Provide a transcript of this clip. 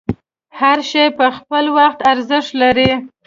هر شی په خپل وخت ارزښت لري.